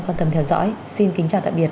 quan tâm theo dõi xin kính chào tạm biệt